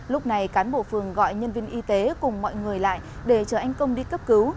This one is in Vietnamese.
lúc này cán bộ phường gọi nhân viên y tế cùng mọi người lại để chờ anh công đi cấp cứu